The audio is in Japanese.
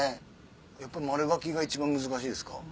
やっぱ丸描きが一番難しいですか？